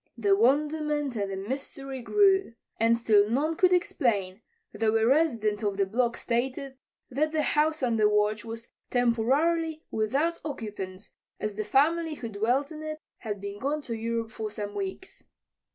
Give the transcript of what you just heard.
The wonderment and the mystery grew. And still none could explain, though a resident of the block stated that the house under watch was temporarily without occupants, as the family who dwelt in it had been gone to Europe for some weeks.